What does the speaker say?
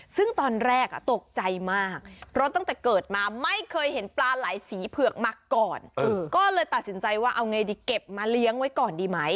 ซึ่งตอนแรกตกใจมากเพราะตั้งแต่เกิดมาไม่เคยเห็นปลาไหลสีเผือกมาก่อนก็เลยตัดสินใจว่าเอาไงดีเก็บมาเลี้ยงไว้ก่อนดีไหม